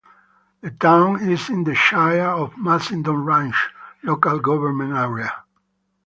The town is in the Shire of Macedon Ranges local government area.